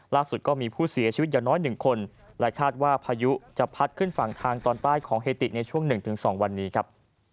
ล่าสุดก็มีผู้เสียชีวิตอย่างน้อย๑คนและคาดว่าพายุจะพัดขึ้นฝั่งทางตอนใต้ของเฮติในช่วง๑๒วันนี้ครับ